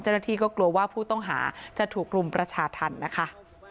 เจ้าหน้าที่ก็กลัวว่าผู้ต้องหาจะถูกรุมประชาธรรมนะคะ